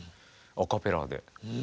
アカペラで。